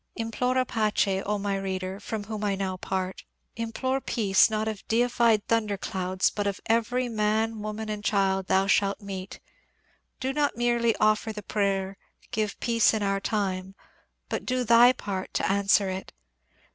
Implora pace^ O my reader, from whom I now part. Im plore peace not of deified thunderclouds but of every man, woman, child thou shalt meet Do not merely offer the prayer, " Give peace in our time," but do thy part to answer it